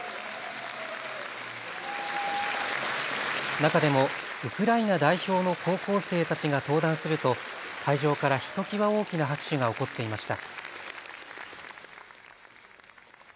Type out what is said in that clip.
中でもウクライナ代表の高校生たちが登壇すると会場からひときわ大きな拍手が起こっていました。